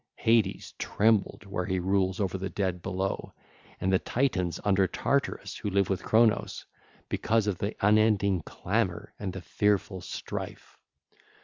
Hades trembled where he rules over the dead below, and the Titans under Tartarus who live with Cronos, because of the unending clamour and the fearful strife.